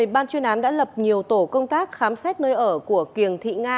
ban chuyên án đã lập nhiều tổ công tác khám xét nơi ở của kiềng thị nga